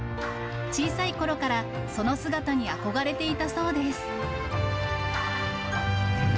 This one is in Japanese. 小さいころから、その姿に憧れていたそうです。